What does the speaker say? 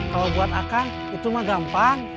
kalau buat akan itu mah gampang